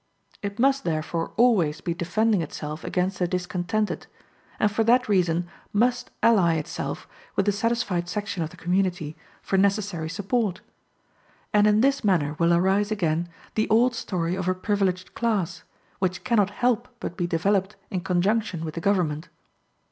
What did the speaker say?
It must therefore always be defending itself against the discontented, and for that reason must ally itself with the satisfied section of the community for necessary support. And in this manner will arise again the old story of a privileged class, which cannot help but be developed in conjunction with the government.